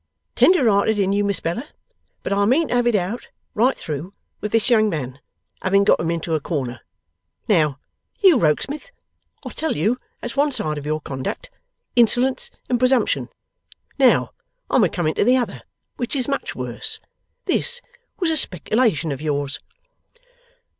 Tender hearted in you, Miss Bella; but I mean to have it out right through with this young man, having got him into a corner. Now, you Rokesmith. I tell you that's one side of your conduct Insolence and Presumption. Now, I'm a coming to the other, which is much worse. This was a speculation of yours.